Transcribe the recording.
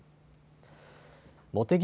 茂木